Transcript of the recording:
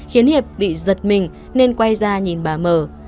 khiến hiệp bị giật mình nên quay ra nhìn ba mơ